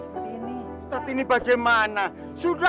peringatan apa pak jarko